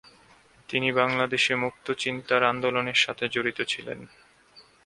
তিনি বাংলাদেশে মুক্তচিন্তার আন্দোলনের সাথে জড়িত ছিলেন।